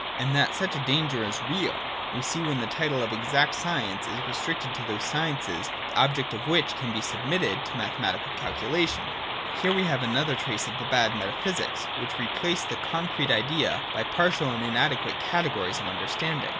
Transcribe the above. And that such a danger is real, we see when the title of exact science is restricted to those sciences the objects of which can be submitted to mathematical calculation. Here we have another trace of the bad metaphysics (mentioned in 99 ] THE MATHEMATICAL CATEGORIES. 187 § 98, note) which replace the concrete idea by partial and in adequate categories of understanding.